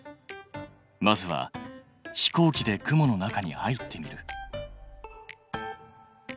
まずは飛行機で雲の中に入ってみる。